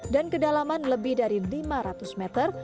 dan kedalaman lebih dari lima ratus meter